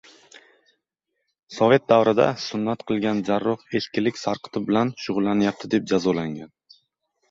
Sovet davrida sunnat qilgan jarroh eskilik sarqiti bilan shug‘ullanayapti, deb jazolangan.